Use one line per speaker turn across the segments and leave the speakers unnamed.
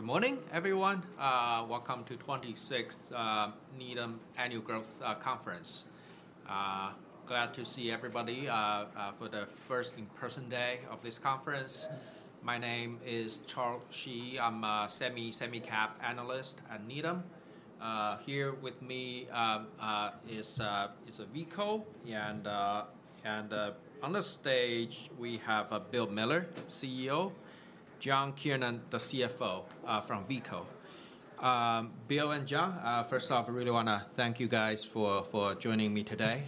Good morning, everyone. Welcome to 26th Needham Annual Growth Conference. Glad to see everybody for the first in-person day of this conference. My name is Charles Shi. I'm a semicap analyst at Needham. Here with me is Veeco, and on the stage, we have Bill Miller, CEO, John Kiernan, the CFO, from Veeco. Bill and John, first off, I really wanna thank you guys for joining me today.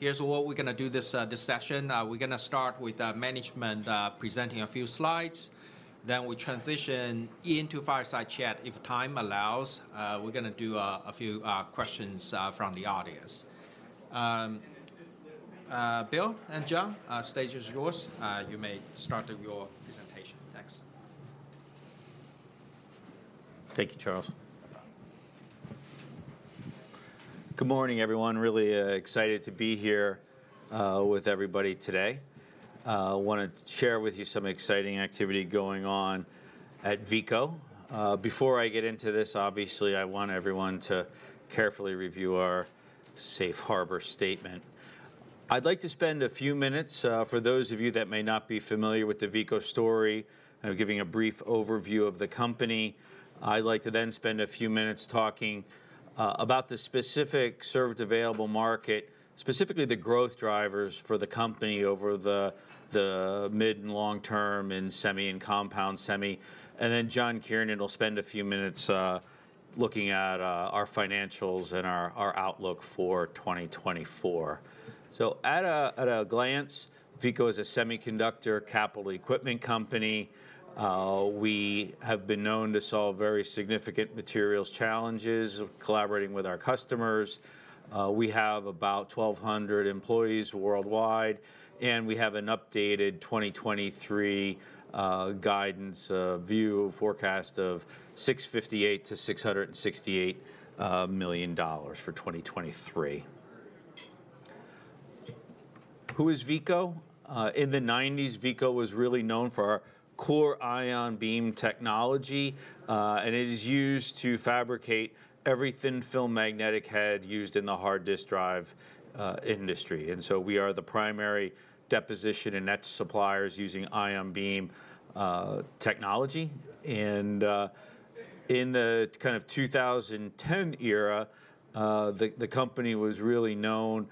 Here's what we're gonna do this session. We're gonna start with management presenting a few slides, then we transition into fireside chat. If time allows, we're gonna do a few questions from the audience. Bill and John, stage is yours. You may start your presentation. Thanks.
Thank you, Charles. Good morning, everyone. Really excited to be here with everybody today. Wanna share with you some exciting activity going on at Veeco. Before I get into this, obviously, I want everyone to carefully review our safe harbor statement. I'd like to spend a few minutes for those of you that may not be familiar with the Veeco story, giving a brief overview of the company. I'd like to then spend a few minutes talking about the specific served available market, specifically the growth drivers for the company over the mid and long term in semi and compound semi. And then John Kiernan will spend a few minutes looking at our financials and our outlook for 2024. So at a glance, Veeco is a semiconductor capital equipment company. We have been known to solve very significant materials challenges, collaborating with our customers. We have about 1,200 employees worldwide, and we have an updated 2023 guidance view forecast of $658 million-$668 million for 2023. Who is Veeco? In the 1990s, Veeco was really known for our core ion beam technology, and it is used to fabricate every thin film magnetic head used in the hard disk drive industry. And so we are the primary deposition and etch suppliers using ion beam technology. In the kind of 2010 era, the company was really known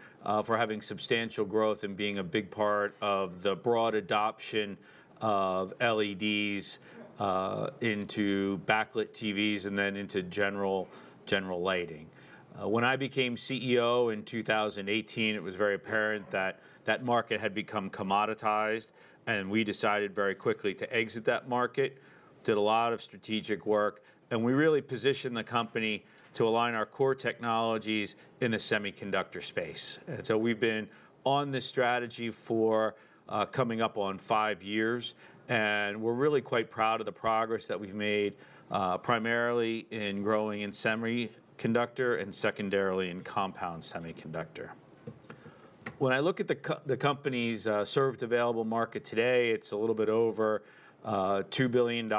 for having substantial growth and being a big part of the broad adoption of LEDs into backlit TVs and then into general lighting. When I became CEO in 2018, it was very apparent that that market had become commoditized, and we decided very quickly to exit that market, did a lot of strategic work, and we really positioned the company to align our core technologies in the semiconductor space. We've been on this strategy for coming up on five years, and we're really quite proud of the progress that we've made, primarily in growing in semiconductor and secondarily in compound semiconductor. When I look at the company's served available market today, it's a little bit over $2 billion,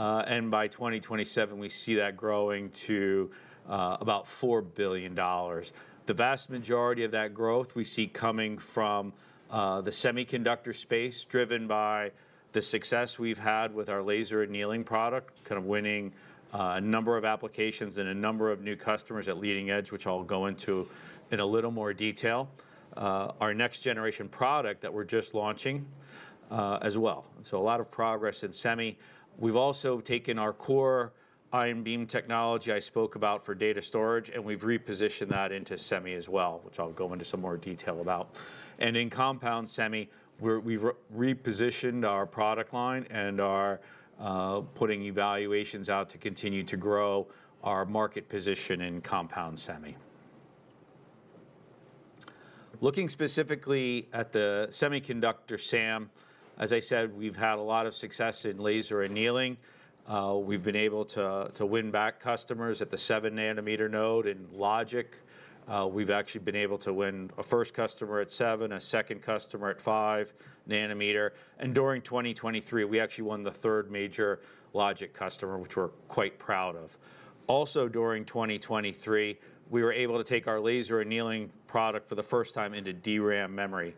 and by 2027, we see that growing to about $4 billion. The vast majority of that growth we see coming from the semiconductor space, driven by the success we've had with our laser annealing product, kind of winning a number of applications and a number of new customers at leading edge, which I'll go into in a little more detail. Our next generation product that we're just launching as well. So a lot of progress in semi. We've also taken our core ion beam technology I spoke about for data storage, and we've repositioned that into semi as well, which I'll go into some more detail about. In compound semi, we've repositioned our product line and are putting evaluations out to continue to grow our market position in compound semi. Looking specifically at the semiconductor SAM, as I said, we've had a lot of success in laser annealing. We've been able to win back customers at the 7-nm node in logic. We've actually been able to win a first customer at 7, a second customer at 5 nm, and during 2023, we actually won the third major logic customer, which we're quite proud of. Also, during 2023, we were able to take our laser annealing product for the first time into DRAM memory,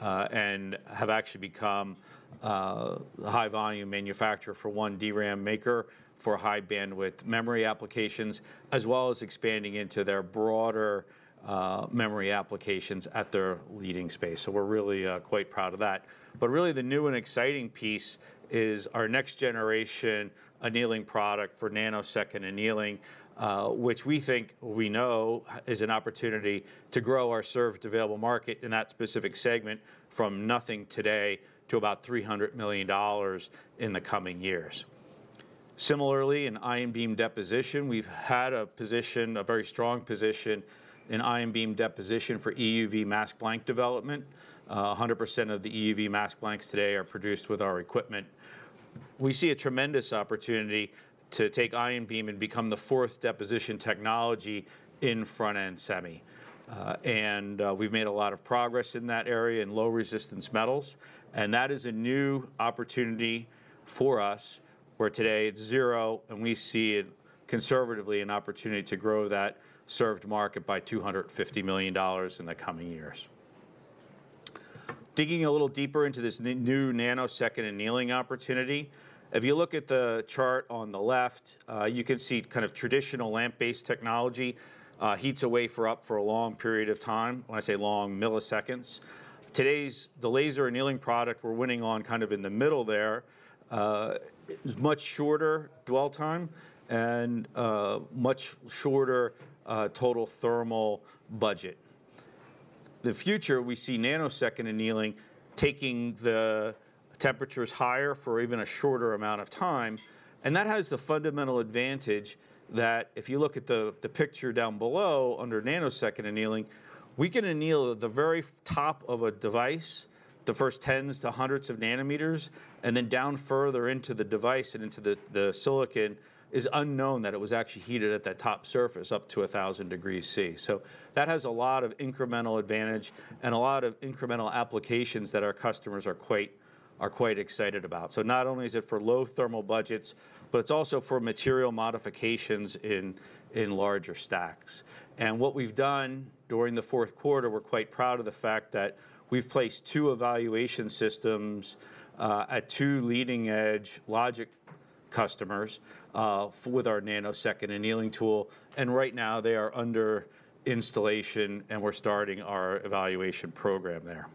and have actually become the high-volume manufacturer for one DRAM maker for high-bandwidth memory applications, as well as expanding into their broader memory applications at their leading space. So we're really quite proud of that. But really, the new and exciting piece is our next-generation annealing product for nanosecond annealing, which we think we know is an opportunity to grow our served available market in that specific segment from nothing today to about $300 million in the coming years. Similarly, in ion beam deposition, we've had a position, a very strong position in ion beam deposition for EUV mask blank development. 100% of the EUV mask blanks today are produced with our equipment. We see a tremendous opportunity to take ion beam and become the fourth deposition technology in front-end semi. And we've made a lot of progress in that area in low resistance metals, and that is a new opportunity for us, where today it's zero, and we see it-... Conservatively, an opportunity to grow that served market by $250 million in the coming years. Digging a little deeper into this new nanosecond annealing opportunity, if you look at the chart on the left, you can see kind of traditional lamp-based technology heats a wafer up for a long period of time. When I say long, milliseconds. Today's the laser annealing product we're winning on, kind of in the middle there, is much shorter dwell time and much shorter total thermal budget. The future, we see nanosecond annealing taking the temperatures higher for even a shorter amount of time, and that has the fundamental advantage that if you look at the picture down below, under nanosecond annealing, we can anneal at the very top of a device, the first tens to hundreds of nanometers, and then down further into the device and into the silicon is unaware that it was actually heated at that top surface up to 1,000 degrees Celsius. So that has a lot of incremental advantage and a lot of incremental applications that our customers are quite excited about. So not only is it for low thermal budgets, but it's also for material modifications in larger stacks. What we've done during the fourth quarter, we're quite proud of the fact that we've placed two evaluation systems at two leading-edge logic customers with our nanosecond annealing tool, and right now they are under installation, and we're starting our evaluation program there.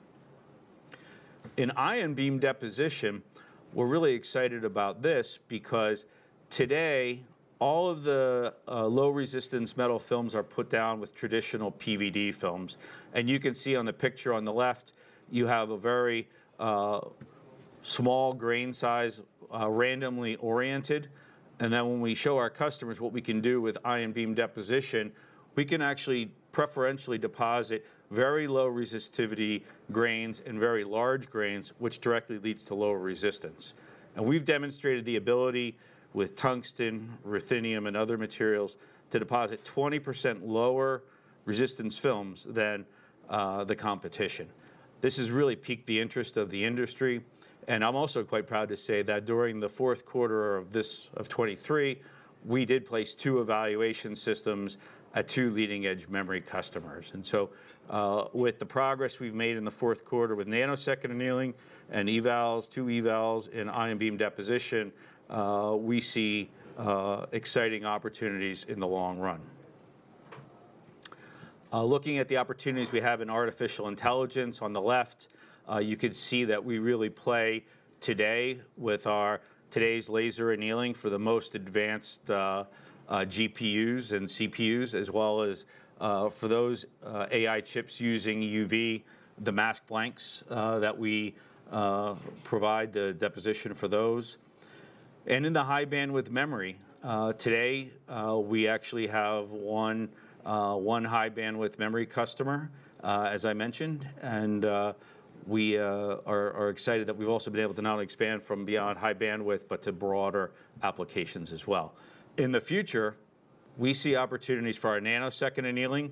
In ion beam deposition, we're really excited about this because today, all of the low resistance metal films are put down with traditional PVD films. You can see on the picture on the left, you have a very small grain size randomly oriented, and then when we show our customers what we can do with ion beam deposition, we can actually preferentially deposit very low resistivity grains and very large grains, which directly leads to lower resistance. We've demonstrated the ability with tungsten, ruthenium, and other materials, to deposit 20% lower resistance films than the competition. This has really piqued the interest of the industry, and I'm also quite proud to say that during the fourth quarter of 2023, we did place two evaluation systems at two leading-edge memory customers. So, with the progress we've made in the fourth quarter with nanosecond annealing and evals, two evals in ion beam deposition, we see exciting opportunities in the long run. Looking at the opportunities we have in artificial intelligence, on the left, you can see that we really play today with our today's laser annealing for the most advanced GPUs and CPUs, as well as for those AI chips using EUV, the mask blanks that we provide the deposition for those. In the high-bandwidth memory, today, we actually have one high-bandwidth memory customer, as I mentioned, and we are excited that we've also been able to not only expand from beyond high bandwidth, but to broader applications as well. In the future, we see opportunities for our nanosecond annealing,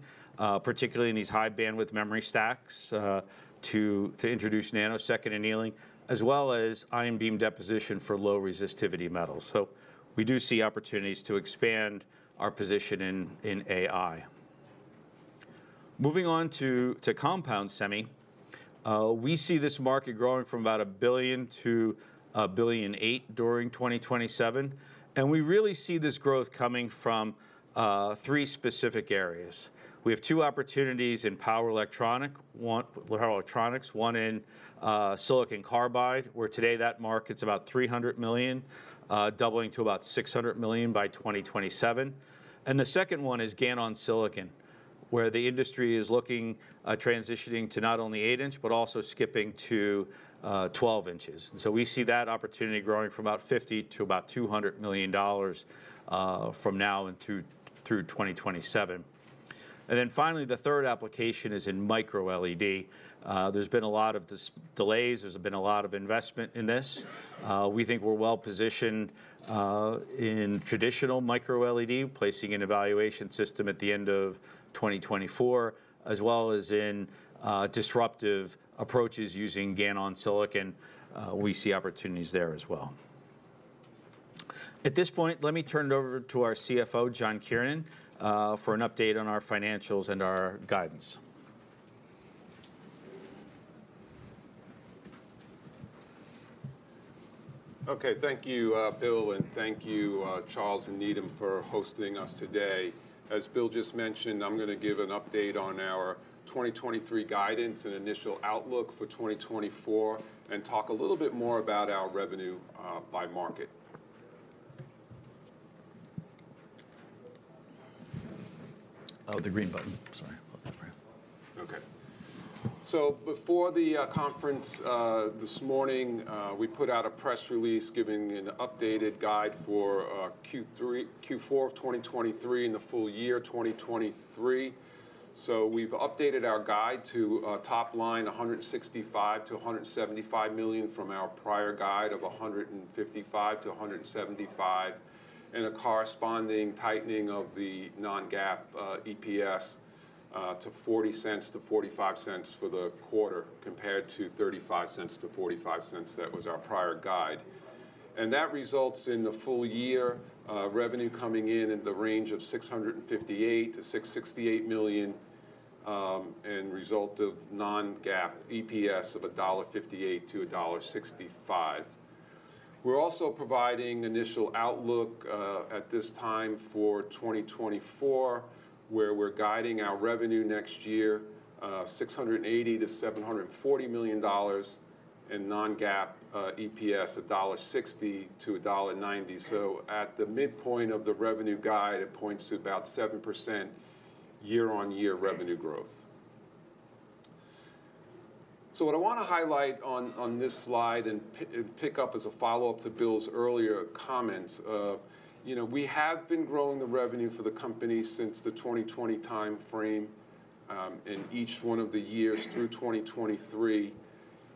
particularly in these high-bandwidth memory stacks, to introduce nanosecond annealing, as well as ion beam deposition for low resistivity metals. So we do see opportunities to expand our position in AI. Moving on to compound semi, we see this market growing from about $1 billion to $1.8 billion during 2027, and we really see this growth coming from three specific areas. We have two opportunities in power electronics, one in silicon carbide, where today that market's about $300 million, doubling to about $600 million by 2027. And the second one is GaN-on-Si, where the industry is looking at transitioning to not only 8-inch, but also skipping to 12 inches. And so we see that opportunity growing from about $50 million to about $200 million from now through 2027. And then finally, the third application is in micro-LED. There's been a lot of delays. There's been a lot of investment in this. We think we're well-positioned in traditional micro-LED, placing an evaluation system at the end of 2024, as well as in disruptive approaches using GaN-on-Si. We see opportunities there as well. At this point, let me turn it over to our CFO, John Kiernan, for an update on our financials and our guidance.
Okay. Thank you, Bill, and thank you, Charles and Needham for hosting us today. As Bill just mentioned, I'm gonna give an update on our 2023 guidance and initial outlook for 2024, and talk a little bit more about our revenue, by market.
Oh, the green button. Sorry about that.
Okay. So before the conference this morning, we put out a press release giving an updated guide for Q4 of 2023 and the full year 2023. So we've updated our guide to top line $165 million-$175 million from our prior guide of $155 million-$175 million, and a corresponding tightening of the non-GAAP EPS to $0.40-$0.45 for the quarter, compared to $0.35-$0.45, that was our prior guide. And that results in the full year revenue coming in in the range of $658 million-$668 million, and result of non-GAAP EPS of $1.58-$1.65. We're also providing initial outlook at this time for 2024, where we're guiding our revenue next year $680 million-$740 million, and non-GAAP EPS $1.60-$1.90. So at the midpoint of the revenue guide, it points to about 7% year-on-year revenue growth. So what I wanna highlight on this slide and pick up as a follow-up to Bill's earlier comments, you know, we have been growing the revenue for the company since the 2020 timeframe, in each one of the years through 2023.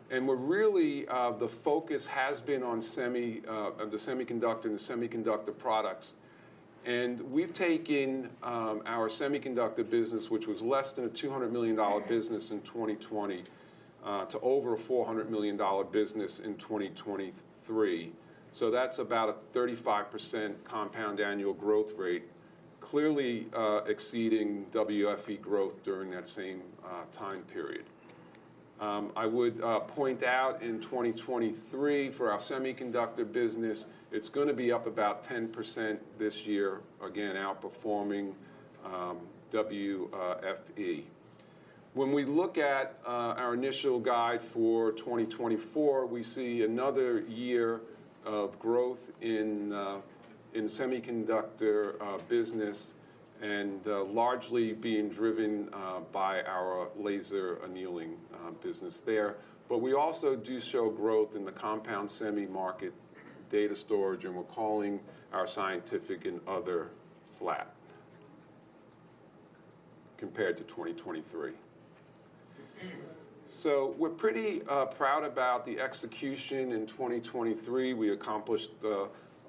And we're really the focus has been on semi, the semiconductor and the semiconductor products. We've taken our semiconductor business, which was less than a $200 million business in 2020, to over a $400 million business in 2023. So that's about a 35% compound annual growth rate, clearly exceeding WFE growth during that same time period. I would point out in 2023, for our semiconductor business, it's gonna be up about 10% this year, again outperforming WFE. When we look at our initial guide for 2024, we see another year of growth in semiconductor business, and largely being driven by our laser annealing business there. But we also do show growth in the compound semi market, data storage, and we're calling our scientific and other flat compared to 2023. So we're pretty proud about the execution in 2023. We accomplished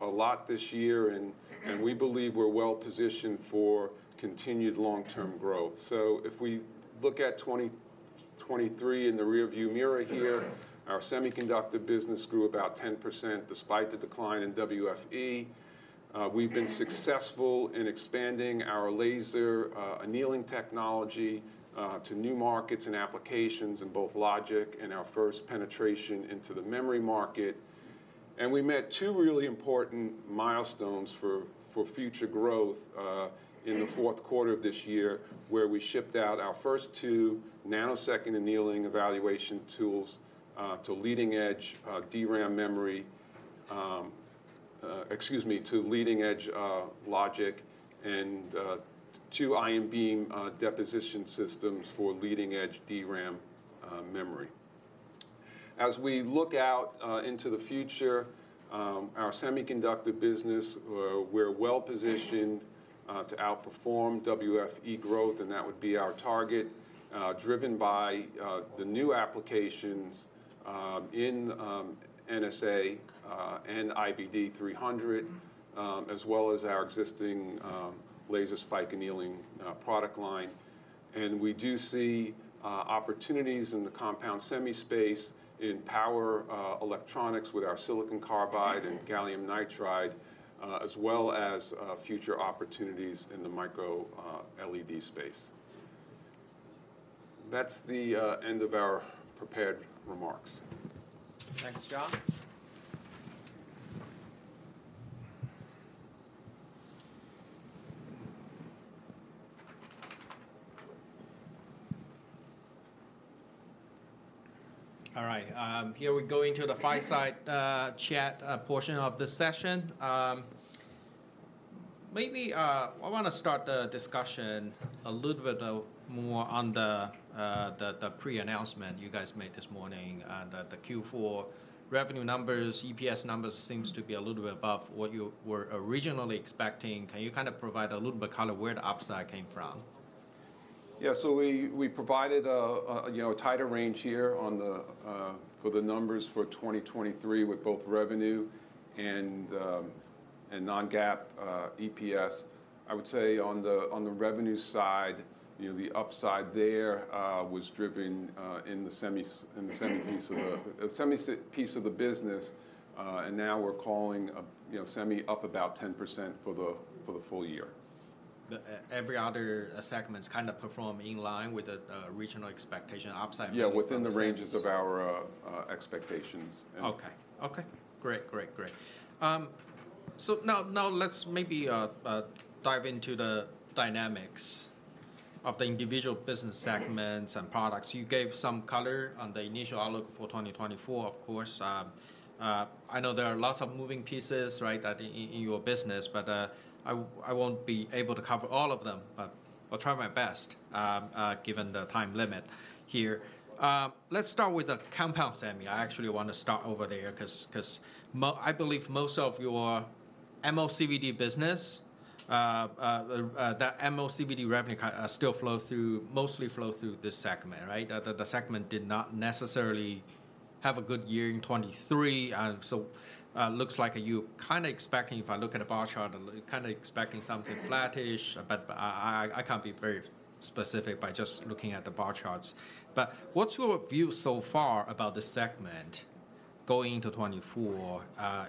a lot this year, and we believe we're well-positioned for continued long-term growth. So if we look at 2023 in the rearview mirror here, our semiconductor business grew about 10%, despite the decline in WFE. We've been successful in expanding our laser annealing technology to new markets and applications in both logic and our first penetration into the memory market. And we met two really important milestones for future growth in the fourth quarter of this year, where we shipped out our first two nanosecond annealing evaluation tools to leading-edge DRAM memory, excuse me, to leading-edge logic and two ion beam deposition systems for leading-edge DRAM memory. As we look out into the future, our semiconductor business, we're well-positioned to outperform WFE growth, and that would be our target, driven by the new applications in NSA and IBD-300, as well as our existing Laser Spike Annealing product line. We do see opportunities in the compound semi space in power electronics with our silicon carbide and gallium nitride, as well as future opportunities in the micro-LED space. That's the end of our prepared remarks.
Thanks, John. All right, here we're going to the fireside chat portion of the session. Maybe I wanna start the discussion a little bit more on the pre-announcement you guys made this morning that the Q4 revenue numbers, EPS numbers, seems to be a little bit above what you were originally expecting. Can you kind of provide a little bit color where the upside came from?
Yeah. So we provided a tighter range here on the numbers for 2023 with both revenue and non-GAAP EPS. I would say on the revenue side, you know, the upside there was driven in the semi piece of the business, and now we're calling, you know, semi up about 10% for the full year.
The every other segments kind of perform in line with the, the regional expectation upside...
Yeah, within the ranges of our expectations and-
Okay. Okay, great, great, great. So now let's maybe dive into the dynamics of the individual business segments and products. You gave some color on the initial outlook for 2024, of course. I know there are lots of moving pieces, right, that in your business, but I won't be able to cover all of them, but I'll try my best, given the time limit here. Let's start with the compound semi. I actually want to start over there, 'cause I believe most of your MOCVD business, the MOCVD revenue still flow through, mostly flow through this segment, right? The segment did not necessarily have a good year in 2023. And so, looks like you're kinda expecting, if I look at a bar chart, kinda expecting something flattish. But I can't be very specific by just looking at the bar charts. But what's your view so far about this segment going into 2024?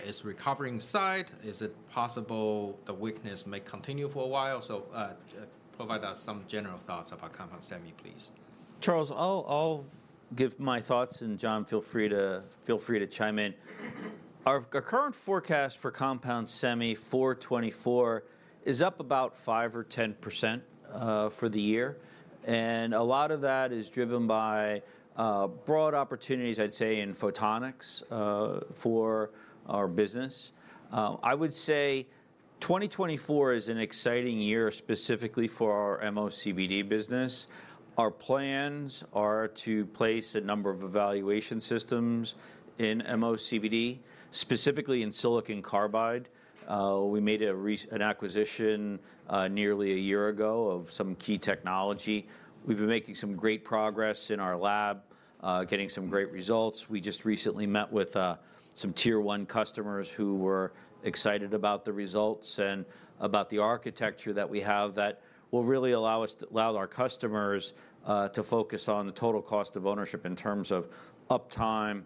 Is recovering side, is it possible the weakness may continue for a while? So, provide us some general thoughts about compound semi, please.
Charles, I'll give my thoughts, and John, feel free to chime in. Our current forecast for compound semi for 2024 is up about 5%-10% for the year, and a lot of that is driven by broad opportunities, I'd say, in photonics for our business. I would say 2024 is an exciting year, specifically for our MOCVD business. Our plans are to place a number of evaluation systems in MOCVD, specifically in silicon carbide. We made an acquisition nearly a year ago of some key technology. We've been making some great progress in our lab, getting some great results. We just recently met with some Tier One customers who were excited about the results and about the architecture that we have, that will really allow us to allow our customers to focus on the total cost of ownership in terms of uptime,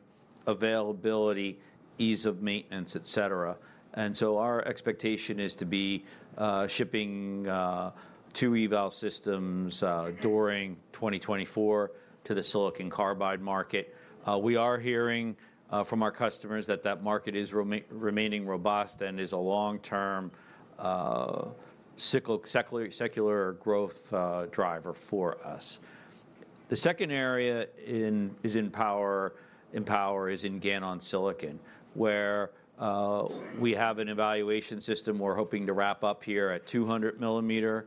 availability, ease of maintenance, et cetera. And so, our expectation is to be shipping 2 eval systems during 2024 to the silicon carbide market. We are hearing from our customers that that market is remaining robust and is a long-term cycle, secular growth driver for us. The second area is in power, in GaN-on-Silicon, where we have an evaluation system we're hoping to wrap up here at 200 millimeter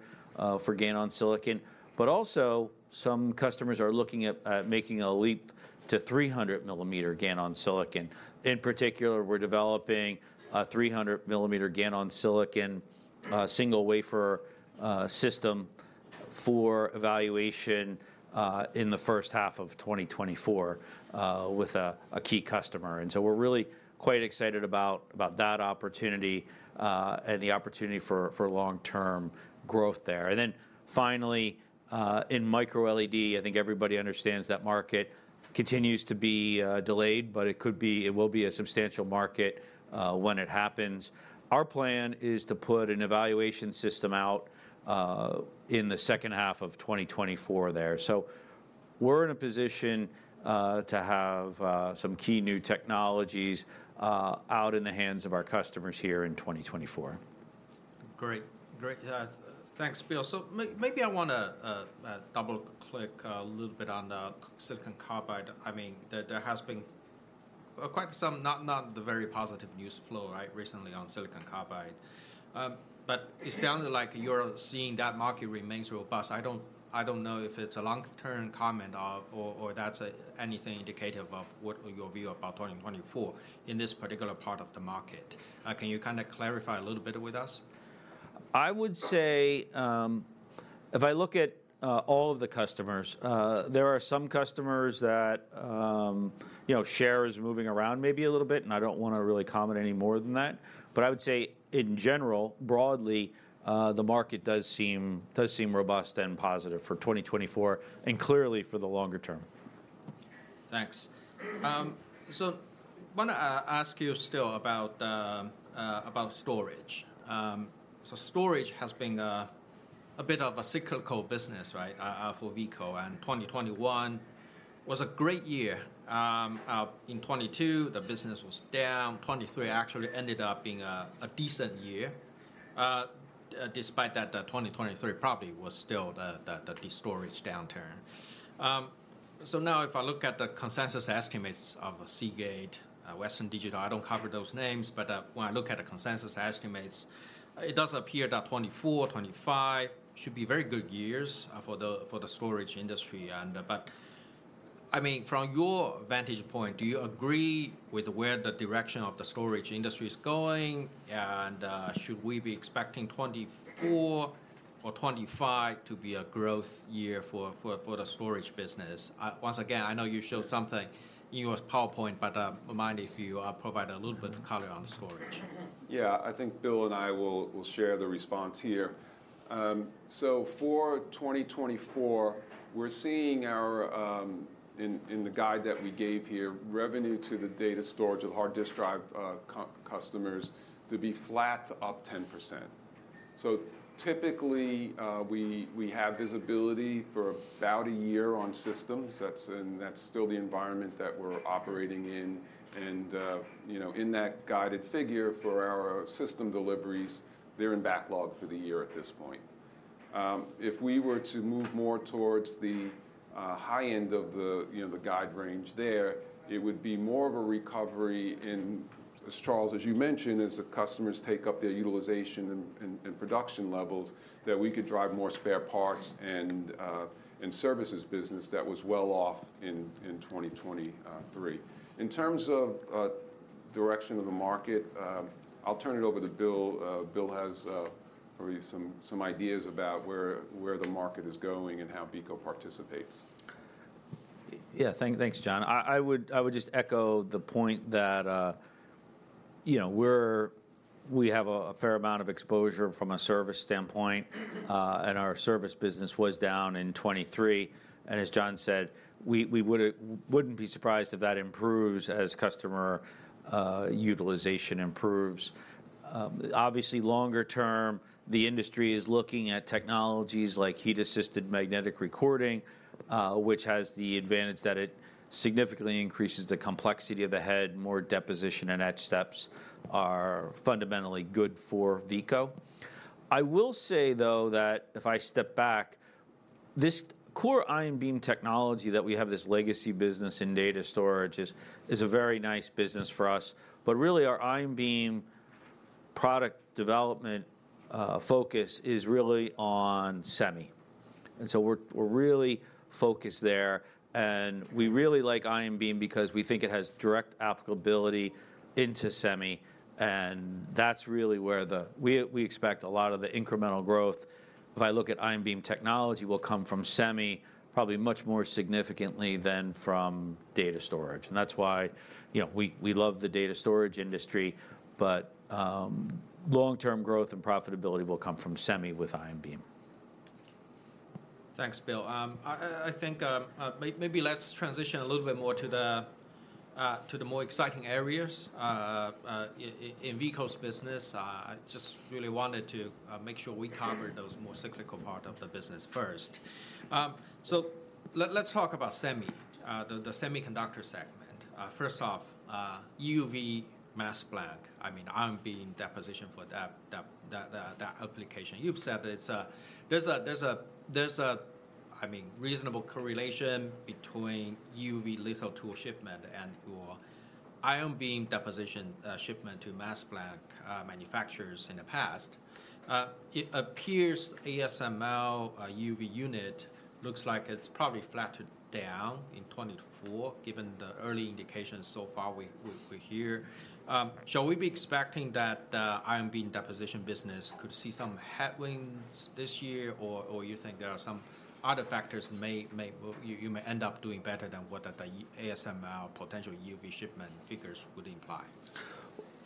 for GaN-on-Silicon. But also, some customers are looking at making a leap to 300 millimeter GaN-on-Silicon. In particular, we're developing a 300 millimeter GaN-on-Silicon single wafer system for evaluation in the first half of 2024 with a key customer. So we're really quite excited about that opportunity and the opportunity for long-term growth there. Then finally, in micro-LED, I think everybody understands that market continues to be delayed, but it could be—it will be a substantial market when it happens. Our plan is to put an evaluation system out in the second half of 2024 there. So we're in a position to have some key new technologies out in the hands of our customers here in 2024.
Great. Great, thanks, Bill. So maybe I wanna double-click a little bit on the silicon carbide. I mean, there has been quite some not the very positive news flow, right, recently on silicon carbide. But it sounds like you're seeing that market remains robust. I don't know if it's a long-term comment or that's anything indicative of what your view about 2024 in this particular part of the market. Can you kinda clarify a little bit with us?
I would say, if I look at all of the customers, there are some customers that, you know, share is moving around maybe a little bit, and I don't wanna really comment any more than that. But I would say, in general, broadly, the market does seem robust and positive for 2024, and clearly for the longer term.
Thanks. So wanna ask you still about storage. So storage has been a bit of a cyclical business, right, for Veeco, and 2021 was a great year. In 2022, the business was down. 2023 actually ended up being a decent year. Despite that, 2023 probably was still the storage downturn. So now, if I look at the consensus estimates of Seagate, Western Digital, I don't cover those names, but when I look at the consensus estimates, it does appear that 2024, 2025 should be very good years for the storage industry. And but, I mean, from your vantage point, do you agree with where the direction of the storage industry is going? Should we be expecting 2024 or 2025 to be a growth year for the storage business? Once again, I know you showed something in your PowerPoint, but mind if you provide a little bit of color on storage.
Yeah, I think Bill and I will share the response here. So for 2024, we're seeing in the guide that we gave here, revenue to the data storage of hard disk drive customers to be flat to up 10%. So typically, we have visibility for about a year on systems. That's, and that's still the environment that we're operating in, and you know, in that guided figure for our system deliveries, they're in backlog for the year at this point. If we were to move more towards the high end of the, you know, the guide range there, it would be more of a recovery in, as Charles, as you mentioned, as the customers take up their utilization and production levels, that we could drive more spare parts and services business that was well off in 2023. In terms of direction of the market, I'll turn it over to Bill. Bill has probably some ideas about where the market is going and how Veeco participates.
Yeah, thanks, John. I would just echo the point that, you know, we have a fair amount of exposure from a service standpoint, and our service business was down in 2023. And as John said, we would not be surprised if that improves as customer utilization improves. Obviously, longer term, the industry is looking at technologies like heat-assisted magnetic recording, which has the advantage that it significantly increases the complexity of the head. More deposition and etch steps are fundamentally good for Veeco. I will say, though, that if I step back, this core ion beam technology that we have, this legacy business in data storage, is a very nice business for us. But really, our ion beam product development focus is really on semi. So we're really focused there, and we really like ion beam because we think it has direct applicability into semi, and that's really where we expect a lot of the incremental growth, if I look at ion beam technology, will come from semi, probably much more significantly than from data storage. And that's why, you know, we love the data storage industry, but long-term growth and profitability will come from semi with ion beam.
Thanks, Bill. I think maybe let's transition a little bit more to the more exciting areas in Veeco's business. I just really wanted to make sure we covered those more cyclical part of the business first. So let's talk about semi, the semiconductor segment. First off, EUV mask blank, I mean, ion beam deposition for that application. You've said that there's a reasonable correlation between EUV litho tool shipment and your ion beam deposition shipment to mask blank manufacturers in the past. It appears ASML EUV unit looks like it's probably flattened down in 2024, given the early indications so far we hear. Shall we be expecting that ion beam deposition business could see some headwinds this year, or you think there are some other factors you may end up doing better than what the ASML potential EUV shipment figures would imply?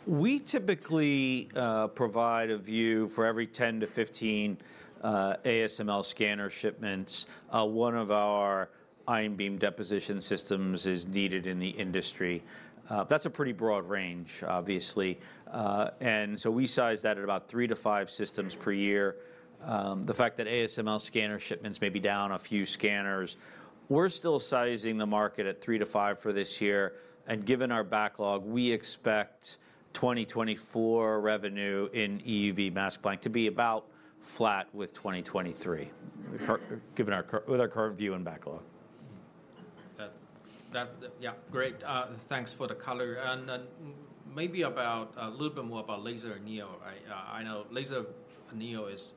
We typically provide a view for every 10-15 ASML scanner shipments, one of our ion beam deposition systems is needed in the industry. That's a pretty broad range, obviously. And so we size that at about 3-5 systems per year. The fact that ASML scanner shipments may be down a few scanners, we're still sizing the market at 3-5 for this year. And given our backlog, we expect 2024 revenue in EUV mask blank to be about flat with 2023, given our current view and backlog.
That, yeah, great. Thanks for the color. And then maybe about a little bit more about laser anneal. I, I know laser anneal is,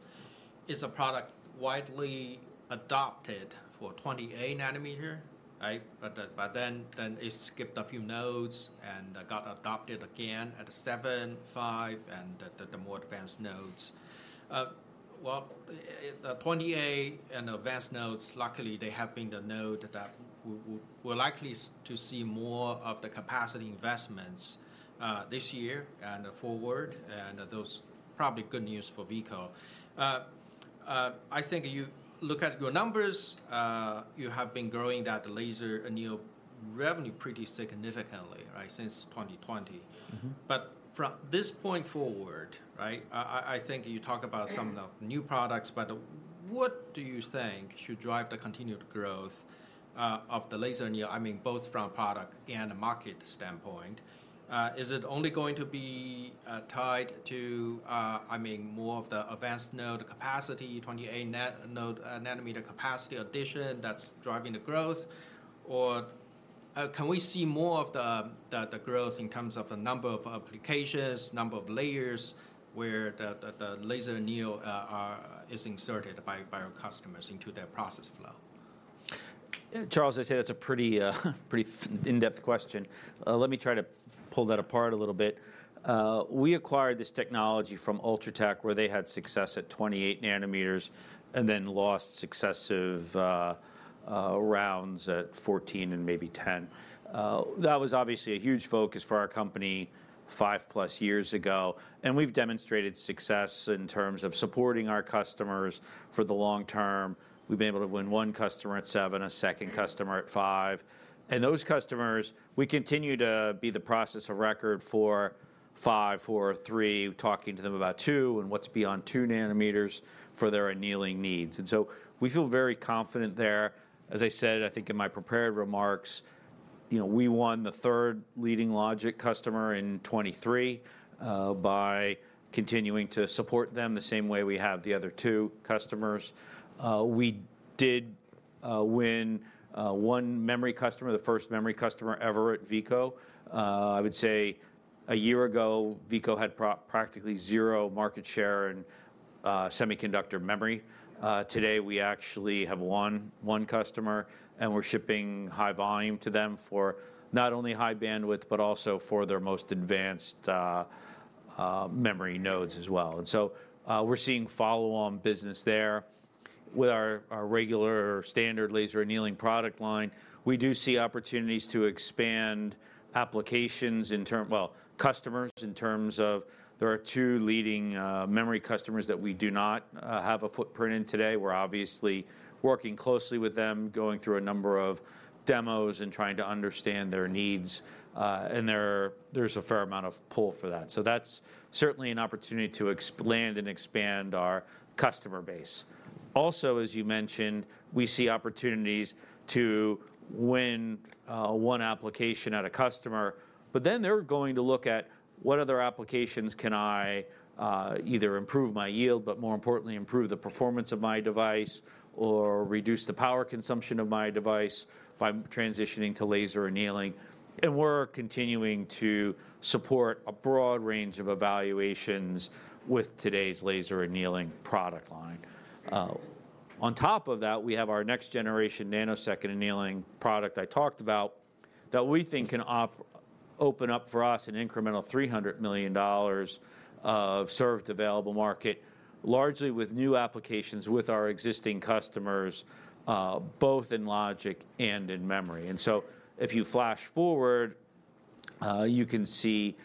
is a product widely adopted for 28 nanometer, right? But, but then, then it skipped a few nodes and got adopted again at 7, 5, and the, the, the more advanced nodes. Well, the 28 and advanced nodes, luckily, they have been the node that we, we, we're likely to see more of the capacity investments, this year and forward, and those probably good news for Veeco. I think you look at your numbers, you have been growing that laser anneal revenue pretty significantly, right, since 2020. But from this point forward, right, I think you talk about some of the new products, but what do you think should drive the continued growth of the laser anneal, I mean, both from product and market standpoint? Is it only going to be tied to, I mean, more of the advanced node capacity, 28 nanometer node capacity addition that's driving the growth? Or can we see more of the growth in terms of the number of applications, number of layers, where the laser anneal is inserted by your customers into their process flow?
Charles, I'd say that's a pretty, pretty in-depth question. Let me try to pull that apart a little bit. We acquired this technology from Ultratech, where they had success at 28 nanometers and then lost successive rounds at 14 and maybe 10. That was obviously a huge focus for our company 5+ years ago, and we've demonstrated success in terms of supporting our customers for the long term. We've been able to win one customer at 7, a second customer at 5. And those customers, we continue to be the process of record for 5, 4, or 3, talking to them about 2 and what's beyond 2 nanometers for their annealing needs. And so we feel very confident there. As I said, I think, in my prepared remarks, you know, we won the third leading logic customer in 2023, by continuing to support them the same way we have the other two customers. We did win one memory customer, the first memory customer ever at Veeco. I would say a year ago, Veeco had practically zero market share in semiconductor memory. Today, we actually have one customer, and we're shipping high volume to them for not only high bandwidth, but also for their most advanced memory nodes as well. And so, we're seeing follow-on business there. With our regular standard laser annealing product line, we do see opportunities to expand applications, well, customers in terms of there are two leading memory customers that we do not have a footprint in today. We're obviously working closely with them, going through a number of demos and trying to understand their needs, and there's a fair amount of pull for that. So that's certainly an opportunity to expand and expand our customer base. Also, as you mentioned, we see opportunities to win one application at a customer, but then they're going to look at what other applications can I either improve my yield, but more importantly, improve the performance of my device or reduce the power consumption of my device by transitioning to laser annealing? And we're continuing to support a broad range of evaluations with today's laser annealing product line. On top of that, we have our next-generation nanosecond annealing product I talked about, that we think can open up for us an incremental $300 million of served available market, largely with new applications with our existing customers, both in logic and in memory. And so if you flash forward, you can see,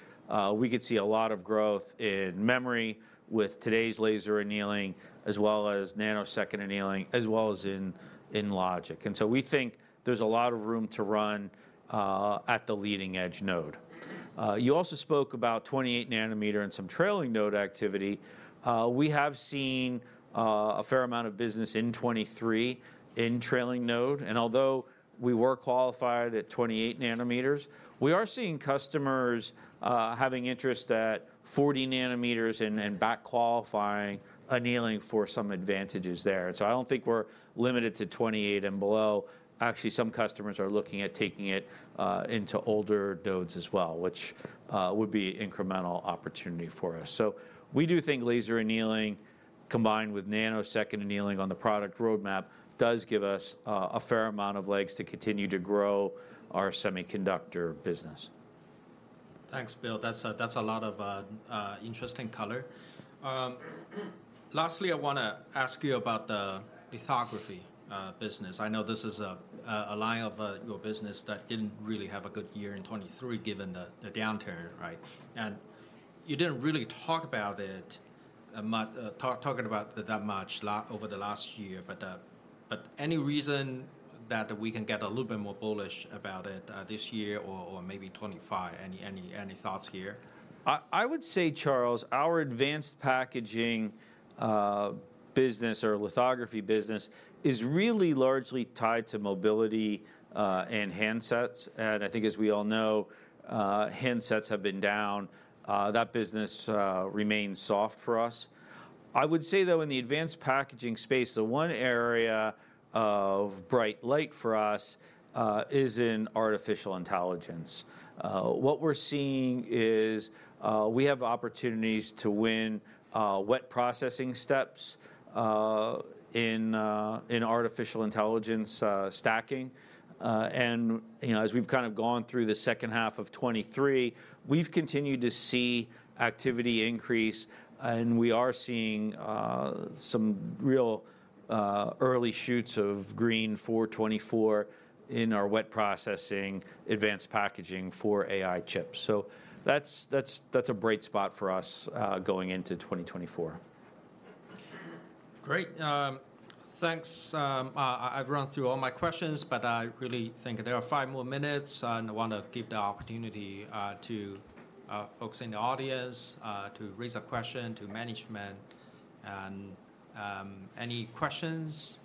we could see a lot of growth in memory with today's laser annealing, as well as nanosecond annealing, as well as in logic. And so we think there's a lot of room to run, at the leading-edge node. You also spoke about 28 nanometer and some trailing node activity. We have seen a fair amount of business in 2023 in trailing node, and although we were qualified at 28 nanometers, we are seeing customers having interest at 40 nanometers and back qualifying annealing for some advantages there. So I don't think we're limited to 28 and below. Actually, some customers are looking at taking it into older nodes as well, which would be incremental opportunity for us. So we do think laser annealing, combined with nanosecond annealing on the product roadmap, does give us a fair amount of legs to continue to grow our semiconductor business.
Thanks, Bill. That's a lot of interesting color. Lastly, I wanna ask you about the lithography business. I know this is a line of your business that didn't really have a good year in 2023, given the downturn, right? And you didn't really talk about it much over the last year, but any reason that we can get a little bit more bullish about it this year or maybe 2025? Any thoughts here?
I would say, Charles, our advanced packaging business or lithography business is really largely tied to mobility and handsets. I think as we all know, handsets have been down. That business remains soft for us. I would say, though, in the advanced packaging space, the one area of bright light for us is in artificial intelligence. What we're seeing is we have opportunities to win wet processing steps in artificial intelligence stacking. You know, as we've kind of gone through the second half of 2023, we've continued to see activity increase, and we are seeing some real early shoots of green for 2024 in our wet processing advanced packaging for AI chips. So that's a bright spot for us going into 2024.
Great. Thanks. I've run through all my questions, but I really think there are five more minutes, and I wanna give the opportunity to folks in the audience to raise a question to management. Any questions?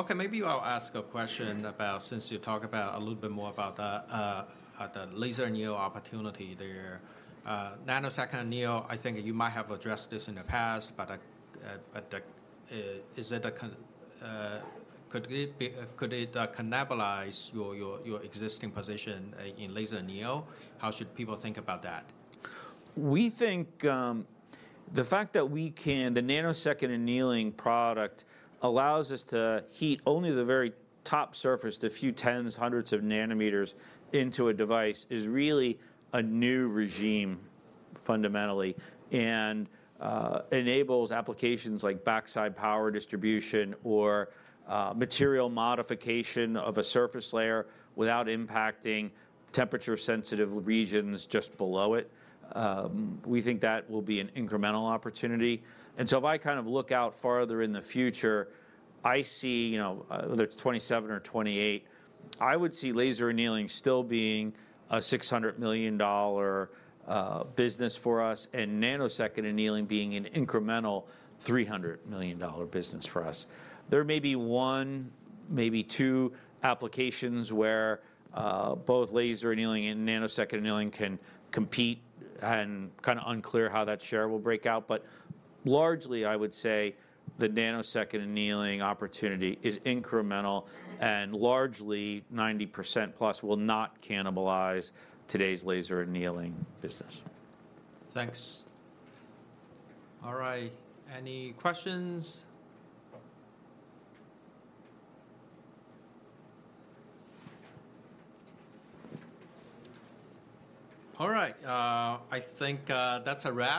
Okay, maybe I'll ask a question about, since you talked about a little bit more about the laser anneal opportunity there. Nanosecond anneal, I think you might have addressed this in the past, but, but, could it be, could it, cannibalize your existing position in laser anneal? How should people think about that?
We think the nanosecond annealing product allows us to heat only the very top surface, the few tens, hundreds of nanometers into a device, is really a new regime, fundamentally, and enables applications like backside power distribution or material modification of a surface layer without impacting temperature-sensitive regions just below it. We think that will be an incremental opportunity. So if I kind of look out farther in the future, I see, you know, whether it's 2027 or 2028, I would see laser annealing still being a $600 million business for us, and nanosecond annealing being an incremental $300 million business for us. There may be one, maybe two applications where both laser annealing and nanosecond annealing can compete, and kind of unclear how that share will break out, but largely, I would say the nanosecond annealing opportunity is incremental, and largely, 90%+ will not cannibalize today's laser annealing business.
Thanks. All right, any questions? All right, I think that's a wrap.